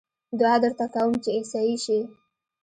دعا درته کووم چې عيسائي شې